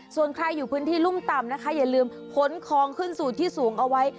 ส่วนใครอยู่พื้นที่รุ่มต่ำนะคะอย่าลืมขนของขึ้นสู่ที่สูงเอาไว้